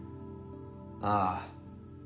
ああ。